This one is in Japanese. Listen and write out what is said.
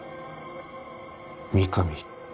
「三上」。